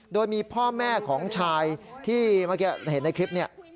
โดยมีพ่อแม่ของชายที่เมื่อกี้เห็นในคลิปนี้